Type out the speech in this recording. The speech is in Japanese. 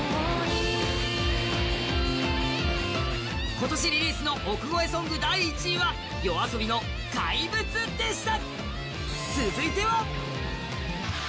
今年リリースの億超えソング第１位はＹＯＡＳＯＢＩの「怪物」でした。